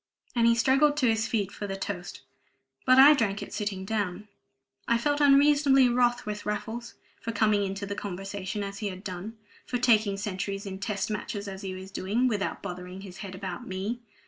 And he struggled to his feet for the toast; but I drank it sitting down. I felt unreasonably wroth with Raffles, for coming into the conversation as he had done for taking centuries in Test Matches as he was doing, without bothering his head about me.